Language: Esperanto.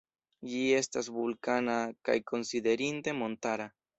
Ĝi estas vulkana kaj konsiderinde montara.